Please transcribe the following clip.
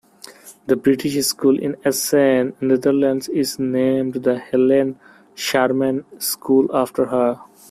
The British School in Assen, Netherlands is named the Helen Sharman School after her.